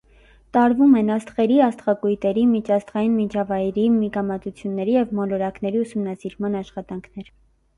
Տարվում են աստղերի, աստղակույտերի, միջաստղային միջավայրի, միգամածությունների և մոլորակների ուսումնասիրման աշխատանքներ։